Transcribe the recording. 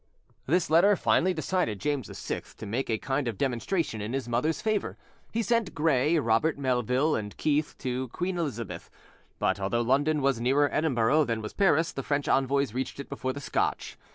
This letter finally decided James VI to make a kind of demonstration in his mother's favour: he sent Gray, Robert Melville, and Keith to Queen Elizabeth. But although London was nearer Edinburgh than was Paris, the French envoys reached it before the Scotch.